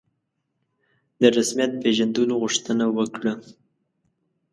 د رسمیت پېژندلو غوښتنه وکړه.